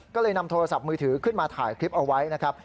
ก็เลยนำโทรศัพท์มือถือขึ้นมาถ่ายคลิปเอาไว้นะครับ